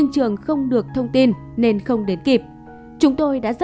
cô hương chia sẻ